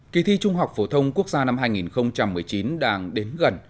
kỳ thi trung học phổ thông quốc gia năm hai nghìn một mươi chín đang đến gần